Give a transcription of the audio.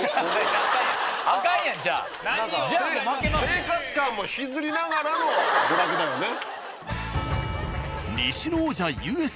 生活感も引きずりながらの娯楽だよね。